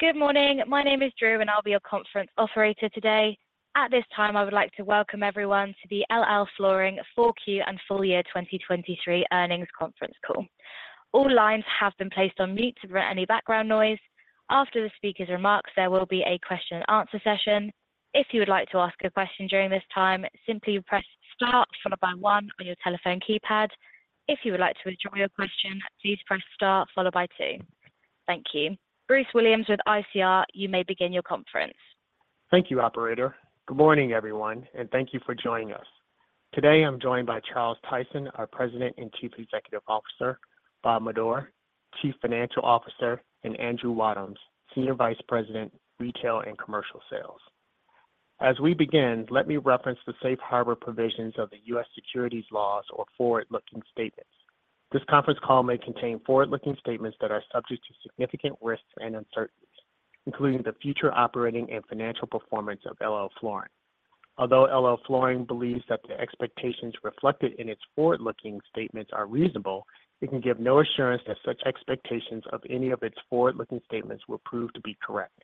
Good morning. My name is Drew, and I'll be your conference operator today. At this time, I would like to welcome everyone to the LL Flooring 4Q and Full Year 2023 Earnings Conference Call. All lines have been placed on mute to prevent any background noise. After the speaker's remarks, there will be a question and answer session. If you would like to ask a question during this time, simply press Star followed by one on your telephone keypad. If you would like to withdraw your question, please press Star followed by two. Thank you. Bruce Williams with ICR, you may begin your conference. Thank you, operator. Good morning, everyone, and thank you for joining us. Today, I'm joined by Charles Tyson, our President and Chief Executive Officer, Bob Madore, Chief Financial Officer, and Andrew Wadhams, Senior Vice President, Retail and Commercial Sales. As we begin, let me reference the safe harbor provisions of the U.S. securities laws or forward-looking statements. This conference call may contain forward-looking statements that are subject to significant risks and uncertainties, including the future operating and financial performance of LL Flooring. Although LL Flooring believes that the expectations reflected in its forward-looking statements are reasonable, it can give no assurance that such expectations of any of its forward-looking statements will prove to be correct.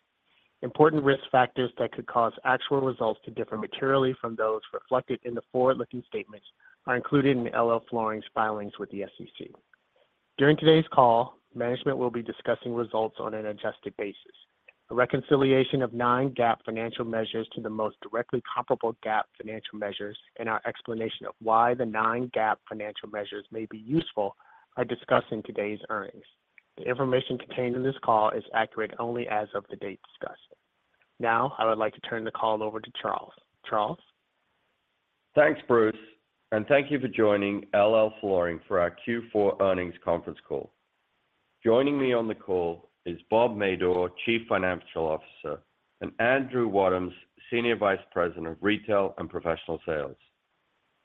Important risk factors that could cause actual results to differ materially from those reflected in the forward-looking statements are included in LL Flooring's filings with the SEC. During today's call, management will be discussing results on an adjusted basis. A reconciliation of non-GAAP financial measures to the most directly comparable GAAP financial measures and our explanation of why the non-GAAP financial measures may be useful are discussed in today's earnings. The information contained in this call is accurate only as of the date discussed. Now, I would like to turn the call over to Charles. Charles? Thanks, Bruce, and thank you for joining LL Flooring for our Q4 earnings conference call. Joining me on the call is Bob Madore, Chief Financial Officer, and Andrew Wadhams, Senior Vice President of Retail and Professional Sales.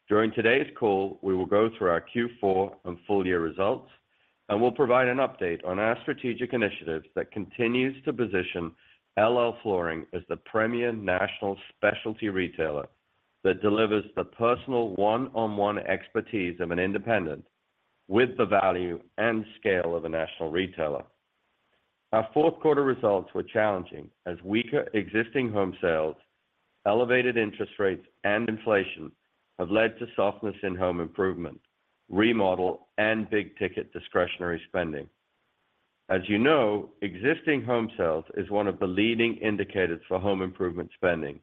During today's call, we will go through our Q4 and full year results, and we'll provide an update on our strategic initiatives that continues to position LL Flooring as the premier national specialty retailer that delivers the personal one-on-one expertise of an independent, with the value and scale of a national retailer. Our fourth quarter results were challenging as weaker existing home sales, elevated interest rates, and inflation have led to softness in home improvement, remodel, and big-ticket discretionary spending. As you know, existing home sales is one of the leading indicators for home improvement spending,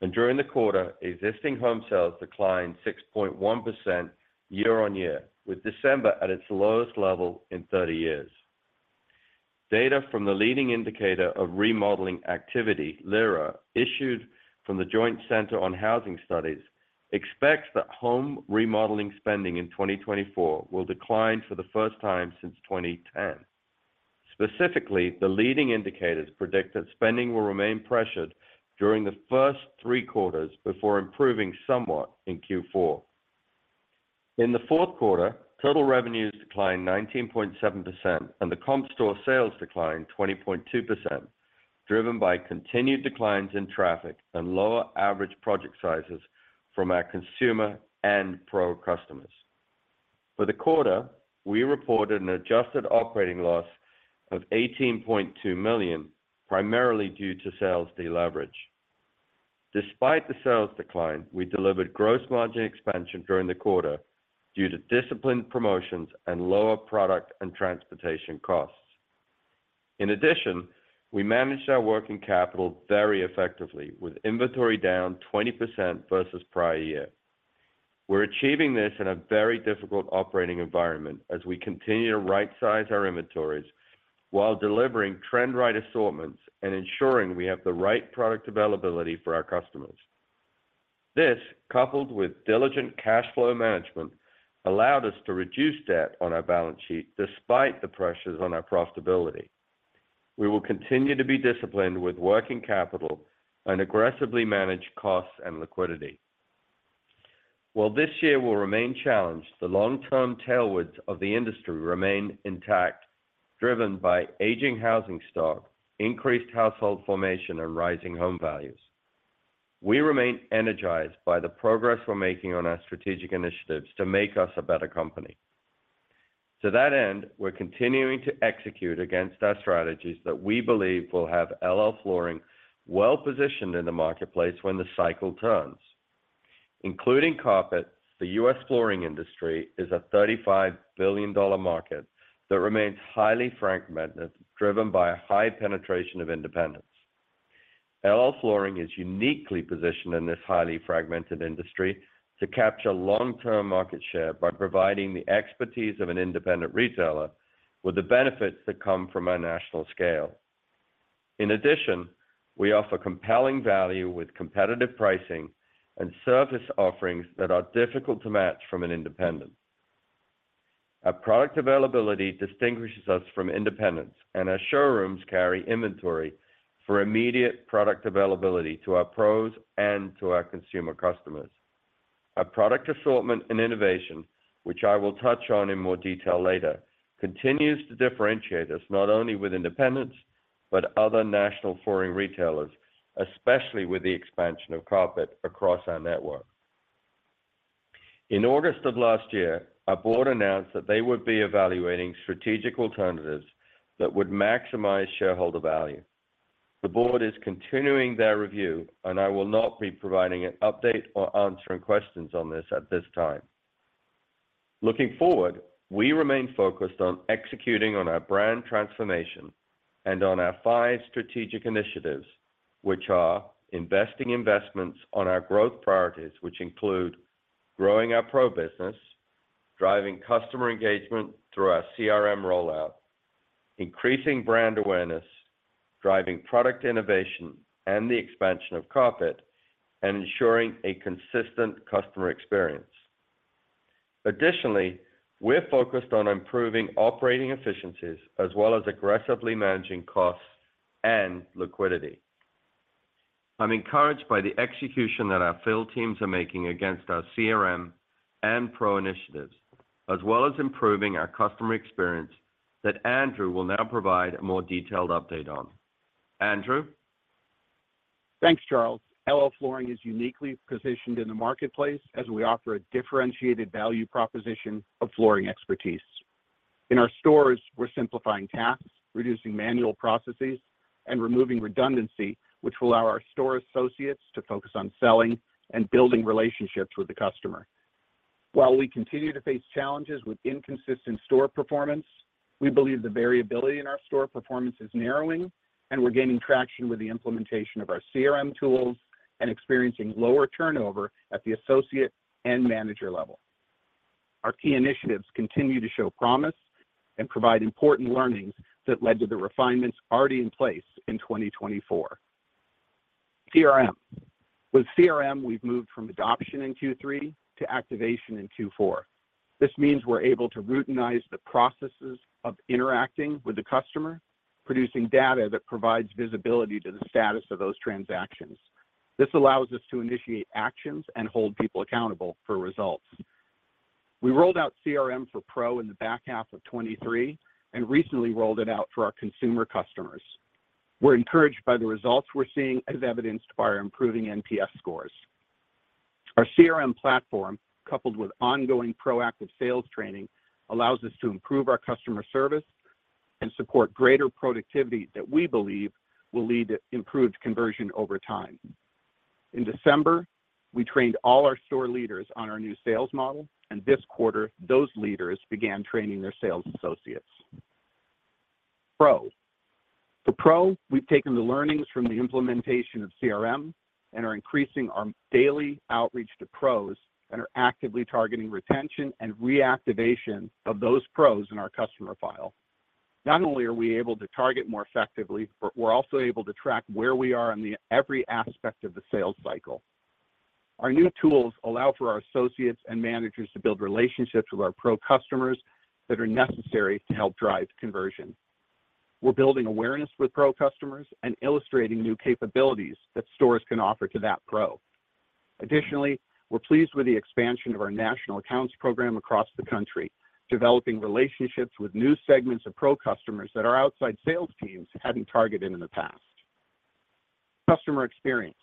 and during the quarter, existing home sales declined 6.1% year-on-year, with December at its lowest level in 30 years. Data from the Leading Indicator of Remodeling Activity, LIRA, issued from the Joint Center for Housing Studies, expects that home remodeling spending in 2024 will decline for the first time since 2010. Specifically, the leading indicators predict that spending will remain pressured during the first three quarters before improving somewhat in Q4. In the fourth quarter, total revenues declined 19.7%, and the comp store sales declined 20.2%, driven by continued declines in traffic and lower average project sizes from our consumer and Pro customers. For the quarter, we reported an adjusted operating loss of $18.2 million, primarily due to sales deleverage. Despite the sales decline, we delivered gross margin expansion during the quarter due to disciplined promotions and lower product and transportation costs. In addition, we managed our working capital very effectively, with inventory down 20% versus prior year. We're achieving this in a very difficult operating environment as we continue to right-size our inventories while delivering trend right assortments and ensuring we have the right product availability for our customers. This, coupled with diligent cash flow management, allowed us to reduce debt on our balance sheet despite the pressures on our profitability. We will continue to be disciplined with working capital and aggressively manage costs and liquidity. While this year will remain challenged, the long-term tailwinds of the industry remain intact, driven by aging housing stock, increased household formation, and rising home values. We remain energized by the progress we're making on our strategic initiatives to make us a better company. To that end, we're continuing to execute against our strategies that we believe will have LL Flooring well-positioned in the marketplace when the cycle turns. Including carpet, the U.S. flooring industry is a $35 billion market that remains highly fragmented, driven by a high penetration of independents. LL Flooring is uniquely positioned in this highly fragmented industry to capture long-term market share by providing the expertise of an independent retailer with the benefits that come from a national scale. In addition, we offer compelling value with competitive pricing and service offerings that are difficult to match from an independent. Our product availability distinguishes us from independents, and our showrooms carry inventory for immediate product availability to our pros and to our consumer customers. Our product assortment and innovation, which I will touch on in more detail later, continues to differentiate us not only with independents, but other national flooring retailers, especially with the expansion of carpet across our network. In August of last year, our board announced that they would be evaluating strategic alternatives that would maximize shareholder value. The board is continuing their review, and I will not be providing an update or answering questions on this at this time. Looking forward, we remain focused on executing on our brand transformation and on our five strategic initiatives, which are: investing investments on our growth priorities, which include growing our Pro business, driving customer engagement through our CRM rollout, increasing brand awareness, driving product innovation and the expansion of carpet, and ensuring a consistent customer experience. Additionally, we're focused on improving operating efficiencies, as well as aggressively managing costs and liquidity. I'm encouraged by the execution that our field teams are making against our CRM and Pro initiatives, as well as improving our customer experience, that Andrew will now provide a more detailed update on. Andrew? Thanks, Charles. LL Flooring is uniquely positioned in the marketplace as we offer a differentiated value proposition of flooring expertise. In our stores, we're simplifying tasks, reducing manual processes, and removing redundancy, which will allow our store associates to focus on selling and building relationships with the customer. While we continue to face challenges with inconsistent store performance, we believe the variability in our store performance is narrowing, and we're gaining traction with the implementation of our CRM tools and experiencing lower turnover at the associate and manager level. Our key initiatives continue to show promise and provide important learnings that led to the refinements already in place in 2024. CRM. With CRM, we've moved from adoption in Q3 to activation in Q4. This means we're able to routinize the processes of interacting with the customer, producing data that provides visibility to the status of those transactions. This allows us to initiate actions and hold people accountable for results. We rolled out CRM for Pro in the back half of 2023, and recently rolled it out for our consumer customers. We're encouraged by the results we're seeing, as evidenced by our improving NPS scores. Our CRM platform, coupled with ongoing proactive sales training, allows us to improve our customer service and support greater productivity that we believe will lead to improved conversion over time. In December, we trained all our store leaders on our new sales model, and this quarter, those leaders began training their sales associates. Pro. For Pro, we've taken the learnings from the implementation of CRM and are increasing our daily outreach to pros, and are actively targeting retention and reactivation of those pros in our customer file. Not only are we able to target more effectively, but we're also able to track where we are in every aspect of the sales cycle. Our new tools allow for our associates and managers to build relationships with our Pro customers that are necessary to help drive conversion. We're building awareness with Pro customers and illustrating new capabilities that stores can offer to that Pro. Additionally, we're pleased with the expansion of our national accounts program across the country, developing relationships with new segments of Pro customers that our outside sales teams hadn't targeted in the past. Customer Experience.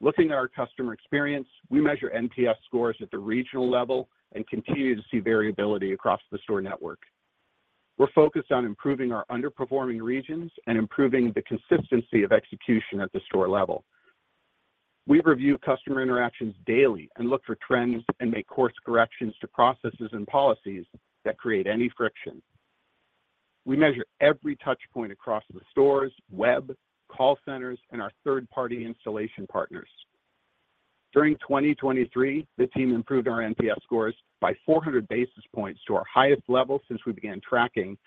Looking at our Customer Experience, we measure NPS scores at the regional level and continue to see variability across the store network. We're focused on improving our underperforming regions and improving the consistency of execution at the store level. We review customer interactions daily and look for trends and make course corrections to processes and policies that create any friction. We measure every touch point across the stores, web, call centers, and our third-party installation partners. During 2023, the team improved our NPS scores by 400 basis points to our highest level since we began tracking,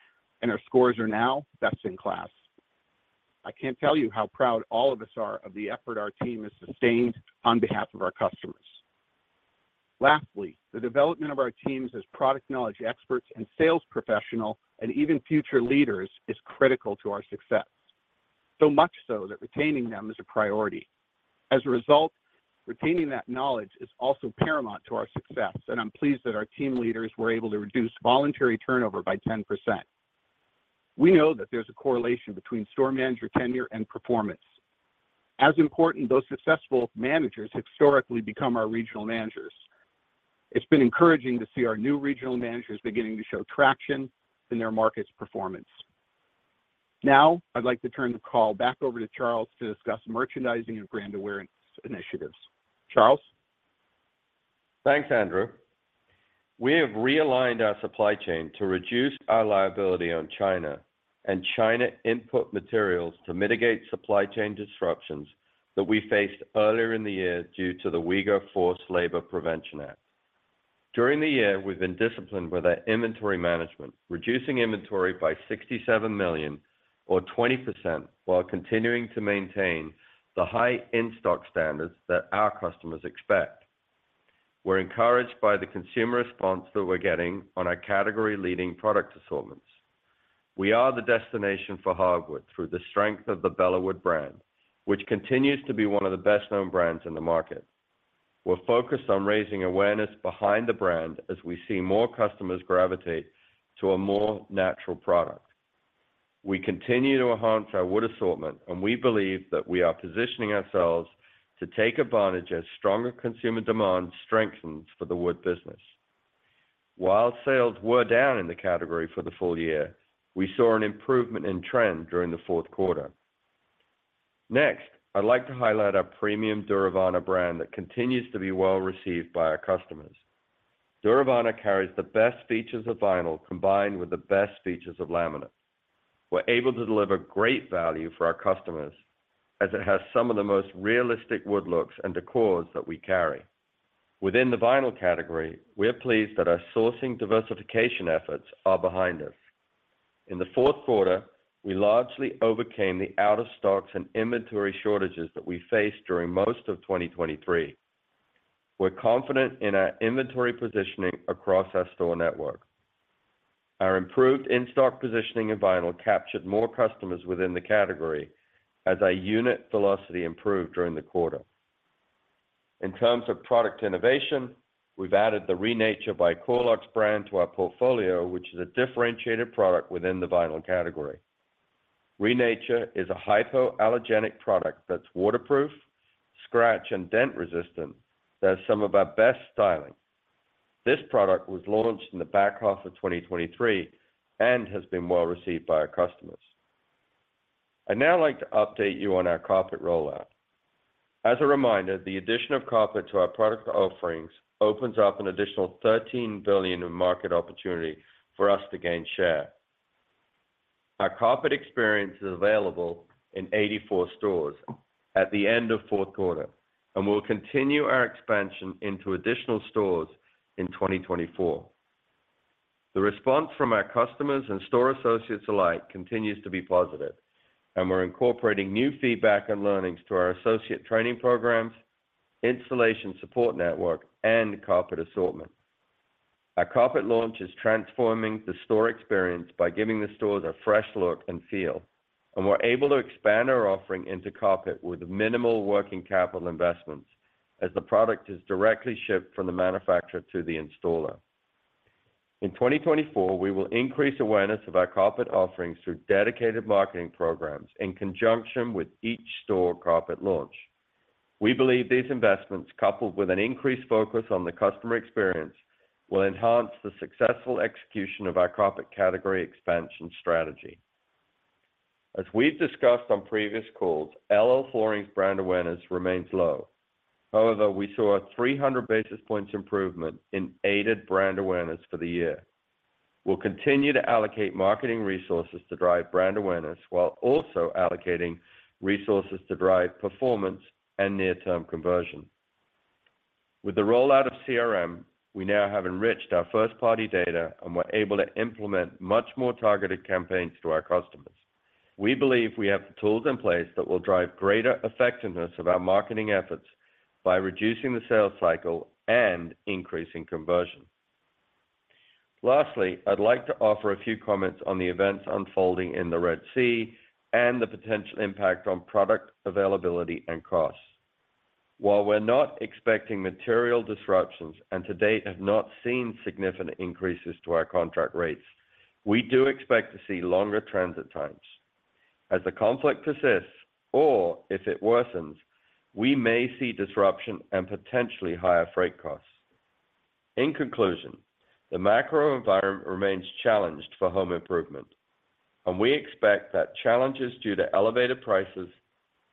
and our scores are now best in class. I can't tell you how proud all of us are of the effort our team has sustained on behalf of our customers. Lastly, the development of our teams as product knowledge experts and sales professional, and even future leaders, is critical to our success. So much so, that retaining them is a priority. As a result, retaining that knowledge is also paramount to our success, and I'm pleased that our team leaders were able to reduce voluntary turnover by 10%. We know that there's a correlation between store manager tenure and performance. As important, those successful managers historically become our regional managers. It's been encouraging to see our new regional managers beginning to show traction in their markets' performance. Now, I'd like to turn the call back over to Charles to discuss merchandising and brand awareness initiatives. Charles? Thanks, Andrew. We have realigned our supply chain to reduce our liability on China and China input materials to mitigate supply chain disruptions that we faced earlier in the year due to the Uyghur Forced Labor Prevention Act. During the year, we've been disciplined with our inventory management, reducing inventory by $67 million or 20%, while continuing to maintain the high in-stock standards that our customers expect. We're encouraged by the consumer response that we're getting on our category-leading product assortments. We are the destination for hardwood through the strength of the Bellawood brand, which continues to be one of the best-known brands in the market. We're focused on raising awareness behind the brand as we see more customers gravitate to a more natural product. We continue to enhance our wood assortment, and we believe that we are positioning ourselves to take advantage as stronger consumer demand strengthens for the wood business. While sales were down in the category for the full year, we saw an improvement in trend during the fourth quarter. Next, I'd like to highlight our premium Duravana brand that continues to be well-received by our customers. Duravana carries the best features of vinyl, combined with the best features of laminate. We're able to deliver great value for our customers, as it has some of the most realistic wood looks and decors that we carry. Within the vinyl category, we are pleased that our sourcing diversification efforts are behind us. In the fourth quarter, we largely overcame the out-of-stocks and inventory shortages that we faced during most of 2023. We're confident in our inventory positioning across our store network. Our improved in-stock positioning in vinyl captured more customers within the category, as our unit velocity improved during the quarter. In terms of product innovation, we've added the ReNature by CoreLuxe brand to our portfolio, which is a differentiated product within the vinyl category. ReNature is a hypoallergenic product that's waterproof, scratch, and dent-resistant, that has some of our best styling. This product was launched in the back half of 2023 and has been well-received by our customers. I'd now like to update you on our carpet rollout. As a reminder, the addition of carpet to our product offerings opens up an additional $13 billion in market opportunity for us to gain share. Our carpet experience is available in 84 stores at the end of fourth quarter, and we'll continue our expansion into additional stores in 2024. The response from our customers and store associates alike continues to be positive, and we're incorporating new feedback and learnings to our associate training programs, installation support network, and carpet assortment. Our carpet launch is transforming the store experience by giving the stores a fresh look and feel, and we're able to expand our offering into carpet with minimal working capital investments, as the product is directly shipped from the manufacturer to the installer. In 2024, we will increase awareness of our carpet offerings through dedicated marketing programs in conjunction with each store carpet launch. We believe these investments, coupled with an increased focus on the customer experience, will enhance the successful execution of our carpet category expansion strategy. As we've discussed on previous calls, LL Flooring's brand awareness remains low. However, we saw a 300 basis points improvement in aided brand awareness for the year. We'll continue to allocate marketing resources to drive brand awareness, while also allocating resources to drive performance and near-term conversion. With the rollout of CRM, we now have enriched our first-party data, and we're able to implement much more targeted campaigns to our customers. We believe we have the tools in place that will drive greater effectiveness of our marketing efforts by reducing the sales cycle and increasing conversion. Lastly, I'd like to offer a few comments on the events unfolding in the Red Sea and the potential impact on product availability and costs. While we're not expecting material disruptions, and to date, have not seen significant increases to our contract rates, we do expect to see longer transit times. As the conflict persists, or if it worsens, we may see disruption and potentially higher freight costs. In conclusion, the macro environment remains challenged for home improvement, and we expect that challenges due to elevated prices,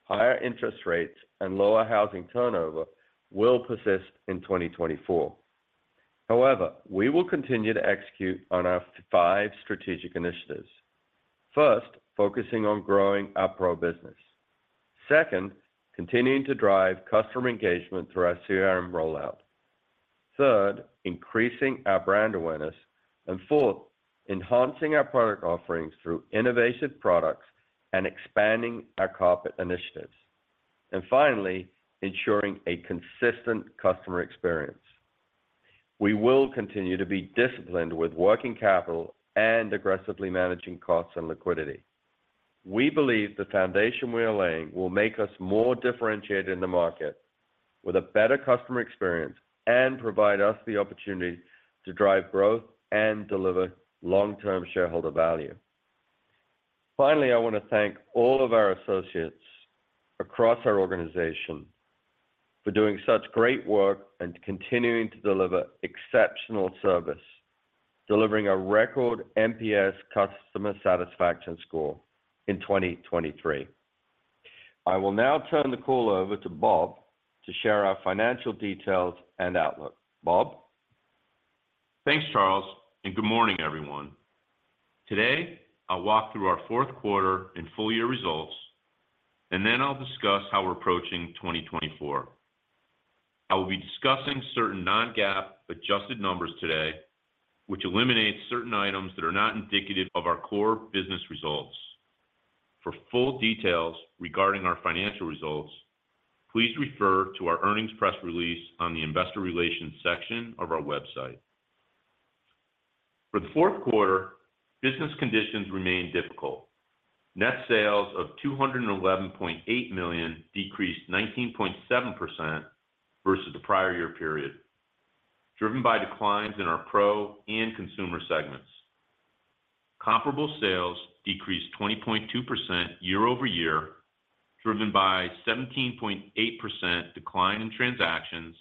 higher interest rates, and lower housing turnover will persist in 2024. However, we will continue to execute on our five strategic initiatives. First, focusing on growing our Pro business. Second, continuing to drive customer engagement through our CRM rollout. Third, increasing our brand awareness. And fourth, enhancing our product offerings through innovative products and expanding our carpet initiatives. And finally, ensuring a consistent customer experience. We will continue to be disciplined with working capital and aggressively managing costs and liquidity. We believe the foundation we are laying will make us more differentiated in the market with a better customer experience, and provide us the opportunity to drive growth and deliver long-term shareholder value. Finally, I want to thank all of our associates across our organization for doing such great work and continuing to deliver exceptional service, delivering a record NPS customer satisfaction score in 2023. I will now turn the call over to Bob to share our financial details and outlook. Bob? Thanks, Charles, and good morning, everyone. Today, I'll walk through our fourth quarter and full year results, and then I'll discuss how we're approaching 2024. I will be discussing certain non-GAAP adjusted numbers today, which eliminates certain items that are not indicative of our core business results. For full details regarding our financial results, please refer to our earnings press release on the investor relations section of our website. For the fourth quarter, business conditions remained difficult. Net sales of $211.8 million decreased 19.7% versus the prior year period, driven by declines in our Pro and consumer segments. Comparable sales decreased 20.2% year-over-year, driven by 17.8% decline in transactions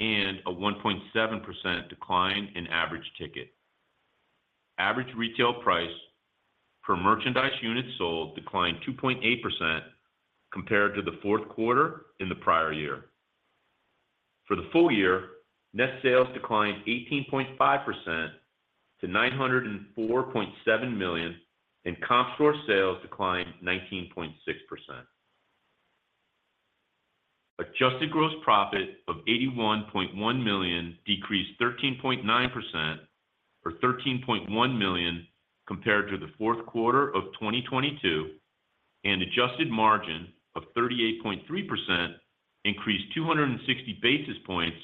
and a 1.7% decline in average ticket. Average retail price per merchandise unit sold declined 2.8% compared to the fourth quarter in the prior year. For the full year, net sales declined 18.5% to $904.7 million, and comp store sales declined 19.6%. Adjusted gross profit of $81.1 million decreased 13.9%, or $13.1 million, compared to the fourth quarter of 2022, and adjusted margin of 38.3% increased 260 basis points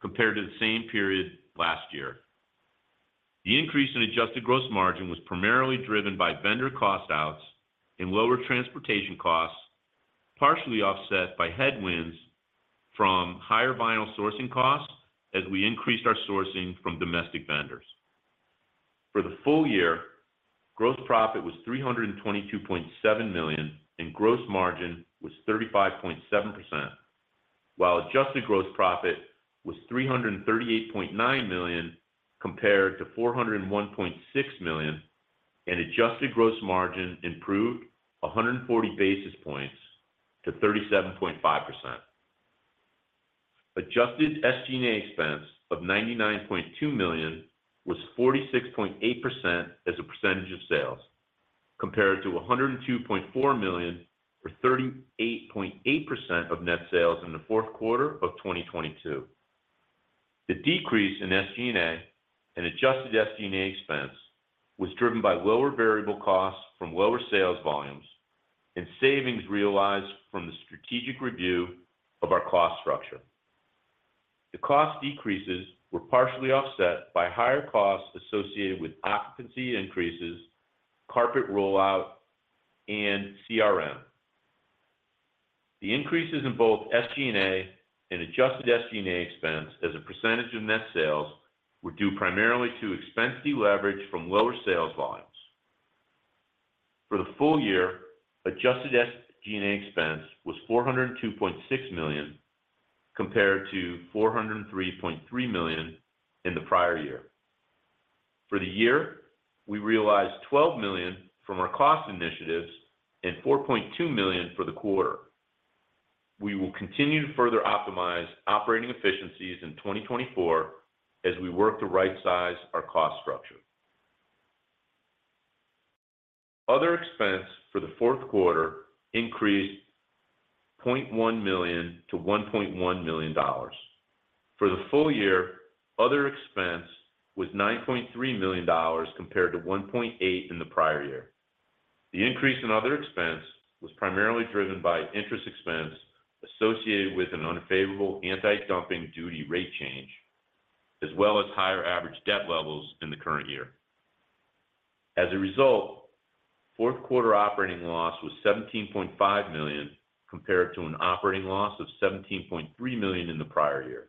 compared to the same period last year. The increase in adjusted gross margin was primarily driven by vendor cost outs and lower transportation costs, partially offset by headwinds from higher vinyl sourcing costs as we increased our sourcing from domestic vendors. For the full year, gross profit was $322.7 million, and gross margin was 35.7%, while adjusted gross profit was $338.9 million, compared to $401.6 million, and adjusted gross margin improved 140 basis points to 37.5%. Adjusted SG&A expense of $99.2 million was 46.8% as a percentage of sales, compared to $102.4 million, or 38.8% of net sales in the fourth quarter of 2022. The decrease in SG&A and Adjusted SG&A expense was driven by lower variable costs from lower sales volumes and savings realized from the strategic review of our cost structure. The cost decreases were partially offset by higher costs associated with occupancy increases, carpet rollout, and CRM. The increases in both SG&A and Adjusted SG&A expense as a percentage of net sales were due primarily to expense deleverage from lower sales volumes. For the full year, Adjusted SG&A expense was $402.6 million, compared to $403.3 million in the prior year. For the year, we realized $12 million from our cost initiatives and $4.2 million for the quarter. We will continue to further optimize operating efficiencies in 2024 as we work to right-size our cost structure. Other expense for the fourth quarter increased $0.1 million to $1.1 million. For the full year, other expense was $9.3 million compared to $1.8 million in the prior year. The increase in other expense was primarily driven by interest expense associated with an unfavorable anti-dumping duty rate change, as well as higher average debt levels in the current year. As a result, fourth quarter operating loss was $17.5 million, compared to an operating loss of $17.3 million in the prior year.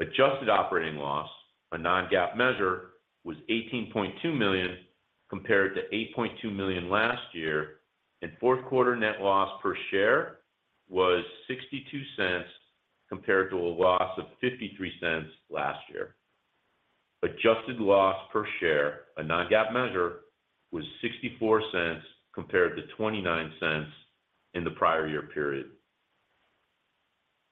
Adjusted Operating Loss, a non-GAAP measure, was $18.2 million, compared to $8.2 million last year, and fourth quarter net loss per share was $0.62, compared to a loss of $0.53 last year. Adjusted Loss per share, a non-GAAP measure, was $0.64, compared to $0.29 in the prior year period.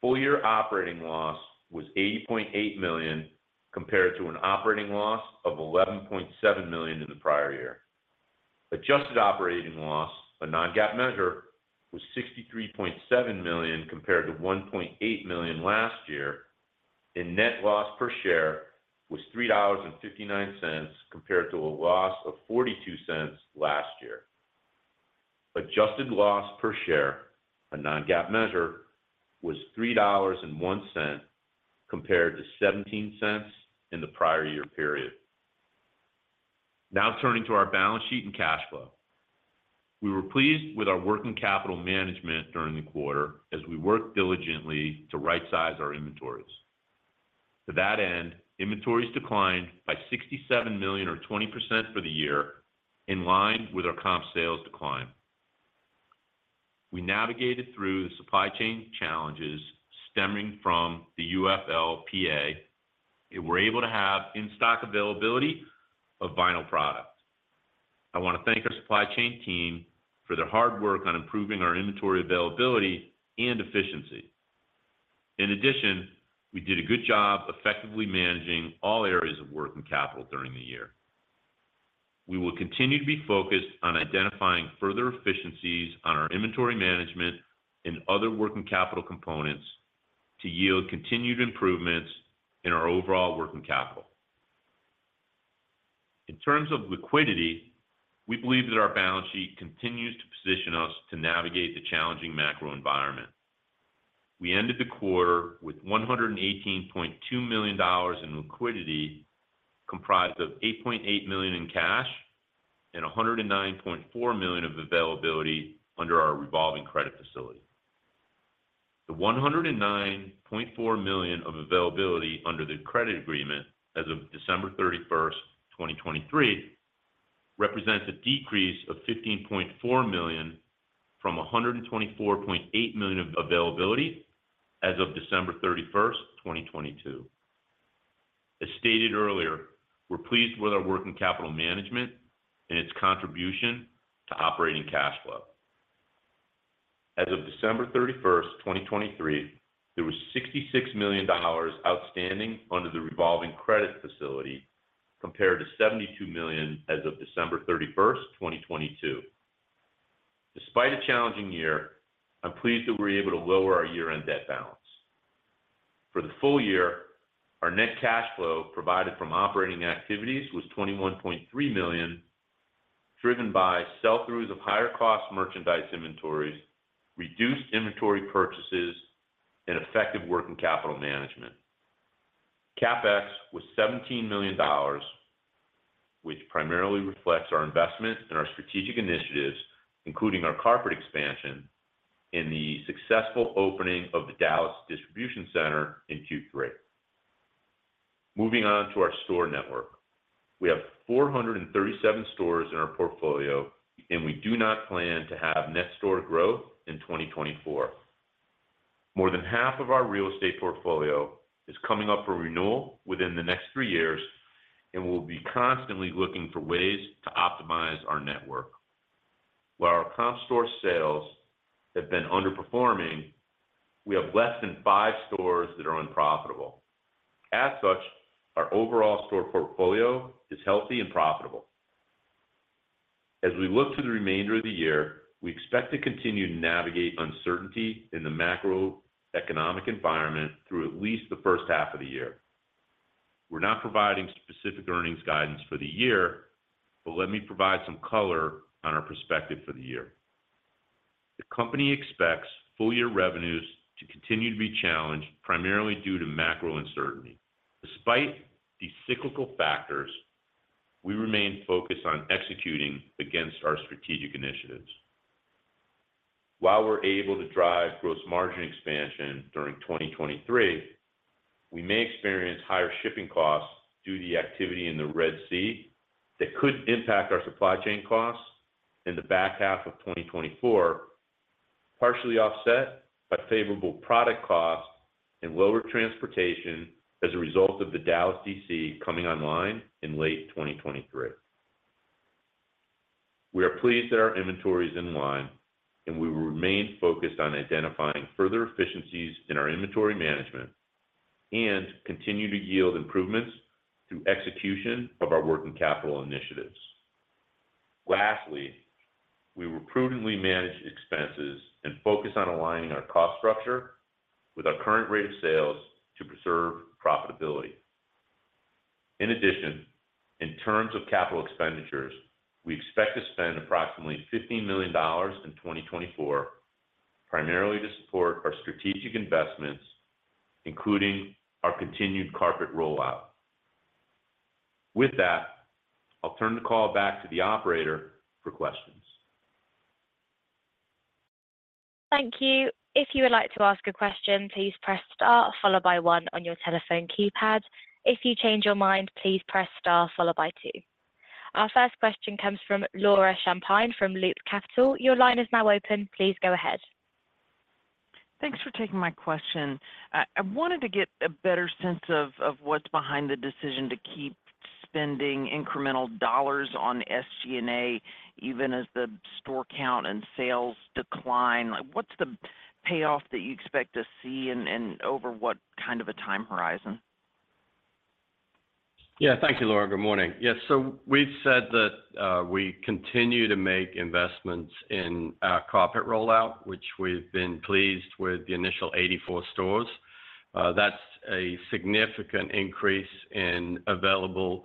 Full year operating loss was $80.8 million, compared to an operating loss of $11.7 million in the prior year. Adjusted Operating Loss, a non-GAAP measure, was $63.7 million, compared to $1.8 million last year, and net loss per share was $3.59, compared to a loss of $0.42 last year. Adjusted Loss per share, a non-GAAP measure, was $3.01, compared to $0.17 in the prior year period. Now, turning to our balance sheet and cash flow. We were pleased with our working capital management during the quarter as we worked diligently to right-size our inventories. To that end, inventories declined by $67 million, or 20% for the year, in line with our comp sales decline. We navigated through the supply chain challenges stemming from the UFLPA, and we're able to have in-stock availability of vinyl products. I want to thank our supply chain team for their hard work on improving our inventory availability and efficiency. In addition, we did a good job effectively managing all areas of working capital during the year. We will continue to be focused on identifying further efficiencies on our inventory management and other working capital components to yield continued improvements in our overall working capital. In terms of liquidity, we believe that our balance sheet continues to position us to navigate the challenging macro environment. We ended the quarter with $118.2 million in liquidity comprised of $8.8 million in cash and $109.4 million of availability under our revolving credit facility. The $109.4 million of availability under the credit agreement as of December 31st, 2023, represents a decrease of $15.4 million from $124.8 million of availability as of December 31st, 2022. As stated earlier, we're pleased with our working capital management and its contribution to operating cash flow. As of December 31st, 2023, there was $66 million outstanding under the revolving credit facility, compared to $72 million as of December 31st, 2022. Despite a challenging year, I'm pleased that we were able to lower our year-end debt balance. For the full year, our net cash flow provided from operating activities was $21.3 million, driven by sell-throughs of higher cost merchandise inventories, reduced inventory purchases, and effective working capital management. CapEx was $17 million, which primarily reflects our investment in our strategic initiatives, including our carpet expansion and the successful opening of the Dallas Distribution Center in Q3. Moving on to our store network. We have 437 stores in our portfolio, and we do not plan to have net store growth in 2024. More than half of our real estate portfolio is coming up for renewal within the next 3 years, and we'll be constantly looking for ways to optimize our network. While our comp store sales have been underperforming, we have less than 5 stores that are unprofitable. As such, our overall store portfolio is healthy and profitable. As we look to the remainder of the year, we expect to continue to navigate uncertainty in the macroeconomic environment through at least the first half of the year. We're not providing specific earnings guidance for the year, but let me provide some color on our perspective for the year. The company expects full-year revenues to continue to be challenged, primarily due to macro uncertainty. Despite these cyclical factors, we remain focused on executing against our strategic initiatives. While we're able to drive gross margin expansion during 2023, we may experience higher shipping costs due to the activity in the Red Sea, that could impact our supply chain costs in the back half of 2024, partially offset by favorable product costs and lower transportation as a result of the Dallas DC coming online in late 2023. We are pleased that our inventory is in line, and we will remain focused on identifying further efficiencies in our inventory management and continue to yield improvements through execution of our working capital initiatives. Lastly, we will prudently manage expenses and focus on aligning our cost structure with our current rate of sales to preserve profitability. In addition, in terms of capital expenditures, we expect to spend approximately $15 million in 2024, primarily to support our strategic investments, including our continued carpet rollout. With that, I'll turn the call back to the operator for questions. Thank you. If you would like to ask a question, please press star, followed by one on your telephone keypad. If you change your mind, please press star followed by two. Our first question comes from Laura Champine from Loop Capital. Your line is now open. Please go ahead. Thanks for taking my question. I wanted to get a better sense of what's behind the decision to keep spending incremental dollars on SG&A, even as the store count and sales decline. Like, what's the payoff that you expect to see and over what kind of a time horizon? Yeah. Thank you, Laura. Good morning. Yes, so we've said that, we continue to make investments in our carpet rollout, which we've been pleased with the initial 84 stores. That's a significant increase in available,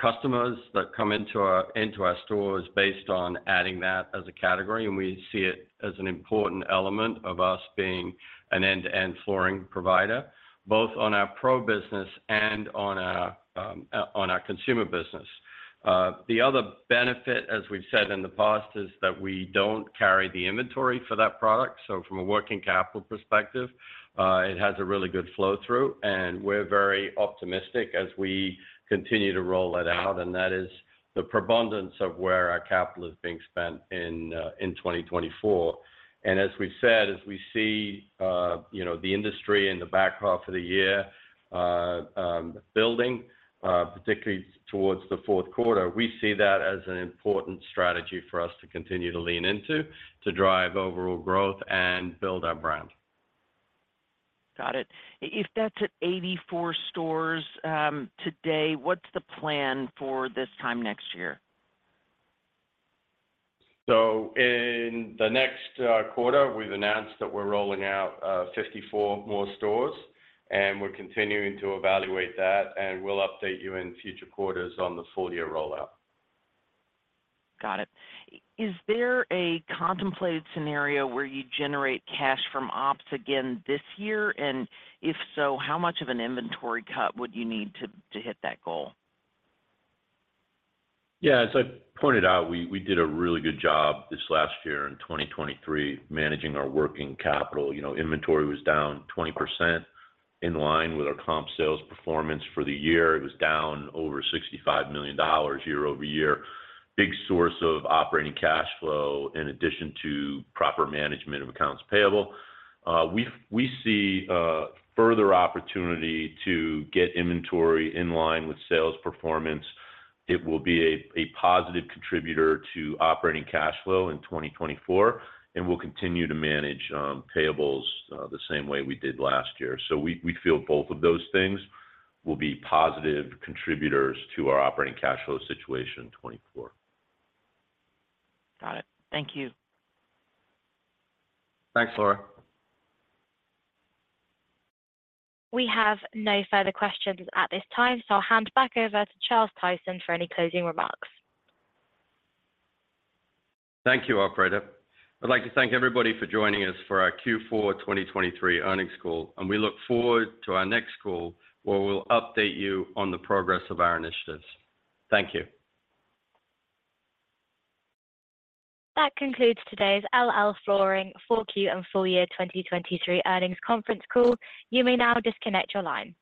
customers that come into our, into our stores based on adding that as a category, and we see it as an important element of us being an end-to-end flooring provider, both on our Pro business and on our, on our consumer business. The other benefit, as we've said in the past, is that we don't carry the inventory for that product. So from a working capital perspective, it has a really good flow-through, and we're very optimistic as we continue to roll it out, and that is the preponderance of where our capital is being spent in, in 2024. As we've said, as we see, you know, the industry in the back half of the year, building, particularly towards the fourth quarter, we see that as an important strategy for us to continue to lean into, to drive overall growth and build our brand. Got it. If that's at 84 stores, today, what's the plan for this time next year? So in the next quarter, we've announced that we're rolling out 54 more stores, and we're continuing to evaluate that, and we'll update you in future quarters on the full year rollout. Got it. Is there a contemplated scenario where you generate cash from ops again this year? And if so, how much of an inventory cut would you need to, to hit that goal? Yeah, as I pointed out, we did a really good job this last year in 2023, managing our working capital. You know, inventory was down 20%, in line with our comp sales performance for the year. It was down over $65 million year-over-year. Big source of operating cash flow in addition to proper management of accounts payable. We see further opportunity to get inventory in line with sales performance. It will be a positive contributor to operating cash flow in 2024, and we'll continue to manage payables the same way we did last year. So we feel both of those things will be positive contributors to our operating cash flow situation in 2024. Got it. Thank you. Thanks, Laura. We have no further questions at this time, so I'll hand back over to Charles Tyson for any closing remarks. Thank you, operator. I'd like to thank everybody for joining us for our Q4 2023 earnings call, and we look forward to our next call, where we'll update you on the progress of our initiatives. Thank you. That concludes today's LL Flooring Q4 and full year 2023 earnings conference call. You may now disconnect your line.